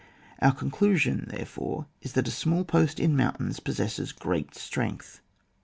Our conclusion, therefore, is, that a small post in mountains possesses great strength.